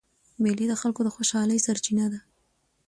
مېلې د خلکو د خوشحالۍ سرچینه ده.